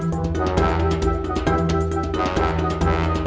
pakai yang berat